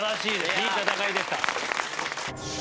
いい戦いでした。